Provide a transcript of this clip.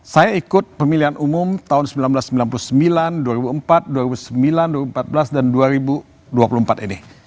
saya ikut pemilihan umum tahun seribu sembilan ratus sembilan puluh sembilan dua ribu empat dua ribu sembilan dua ribu empat belas dan dua ribu dua puluh empat ini